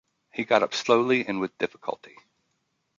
He got up slowly and with difficulty.